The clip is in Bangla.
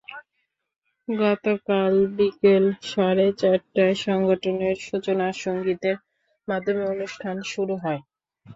গতকাল বিকেল সাড়ে চারটায় সংগঠনের সূচনা সংগীতের মাধ্যমে অনুষ্ঠান শুরু হয়।